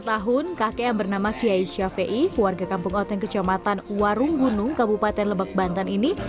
setelah setahun kakek yang bernama kiai syafaii keluarga kampung oteng kecamatan warung gunung kebupaten lebak banten ini